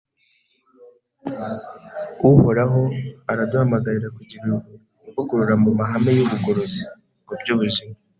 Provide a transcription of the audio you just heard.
Uhoraho araduhamagarira kugira ivugurura mu mahame y’ubugorozi mu by’ubuzima.